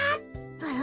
あら？